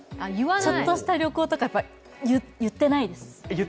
ちょっとした旅行とか言ってないです。